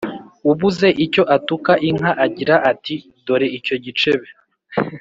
Ubuze icyo atuka inka agira ati dore icyo gicebe.